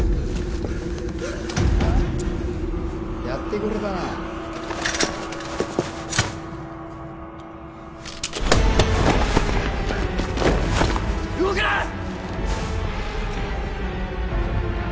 やってくれたな動くな！